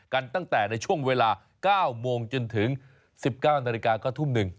กันตั้งแต่ในช่วงเวลา๙โมงจนถึง๑๙นาฬิกาก็ทุ่ม๑